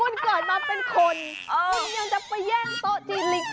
คุณเกิดมาเป็นคนคุณยังจะไปแย่งโต๊ะจีนลิง